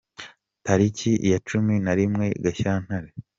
Tariki ya cumi na rimwe Gashyantare